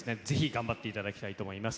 ぜひ頑張っていただきたいと思います。